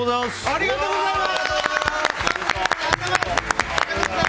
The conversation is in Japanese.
ありがとうございます！